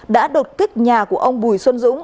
đã đột kích nhà của ông bùi xuân